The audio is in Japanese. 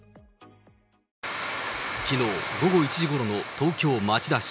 きのう午後１時ごろの東京・町田市。